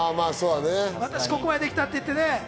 私、ここができたって言ってね。